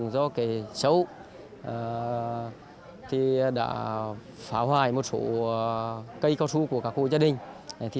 do kẻ xấu thì đã phá hoại một số cây cao su của các cô gia đình